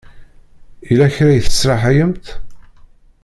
Yella kra i tesraḥayemt?